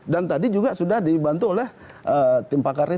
dan tadi juga sudah dibantu oleh tim pakarnya